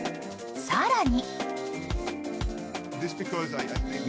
更に。